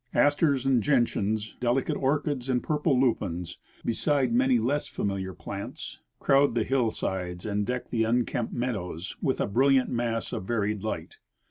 Asters and gentians, delicate orchids and purple lupines, besides many less familiar plants, crowd the hill sides and deck the unkept meadows with a brilliant mass of varied light.